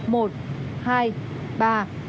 một hai ba